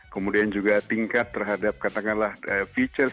kemudian juga tingkat terhadap katakanlah features